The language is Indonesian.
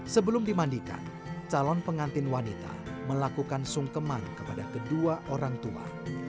sebelum dimandikan calon pengantin wanita melakukan sungkeman kepada kedua orang tua